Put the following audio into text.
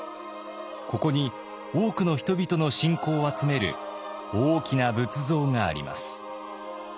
ここに多くの人々の信仰を集める大きな仏像があります。